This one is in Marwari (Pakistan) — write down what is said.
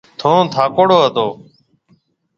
ٿُون ٿاڪوڙو هتو۔